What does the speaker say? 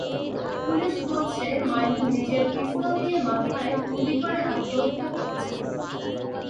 Police বলছে, মাইনুল নিজের pistol দিয়ে মাথায় গুলি করে আত্মহত্যা করেছেন।